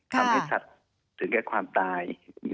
ทำให้สัตว์ถึงแก่ความตาย